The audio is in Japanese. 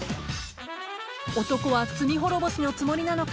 ［男は罪滅ぼしのつもりなのか］